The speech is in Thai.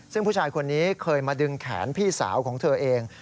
ซึ่งผู้ชายคนนี้เคยมาดึงแขนพี่สาวของเธอเอง